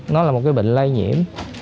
nó là một cái bệnh lay nhiễm